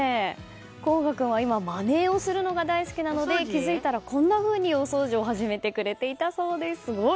琥雅君は今まねをするのが大好きなので気づいたら、こんなふうにお掃除を始めてくれたそうです。